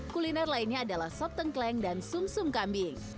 kuliner lainnya adalah sop tengkleng dan sum sum kambing